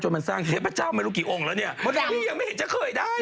เห็นพระเจ้าไม่รู้กี่องค์แล้วเนี่ยพี่ยังไม่เห็นจะเคยได้เลย